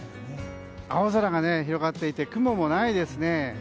青空が広がっていて雲もないですね。